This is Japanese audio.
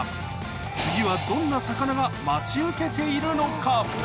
次はどんな魚が待ち受けているのか？